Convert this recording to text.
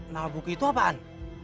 nah buku itu apaan